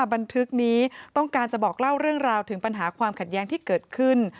บันทึกนี้ต้องการจะบอกเล่าเรื่องราวถึงปัญหาความขัดแย้งที่เกิดขึ้น